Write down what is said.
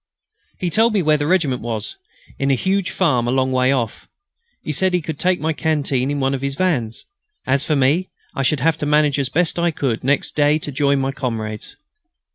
He told me where the regiment was, in a huge farm a long way off. He said he could take my canteen in one of his vans. As for me, I should have to manage as best I could next day to join my comrades.